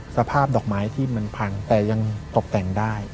สภาพดอกไม้ที่มันพังแต่ยังตกแต่งได้